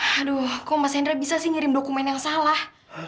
aduh kok mas hendra bisa sih ngirim dokumen yang salah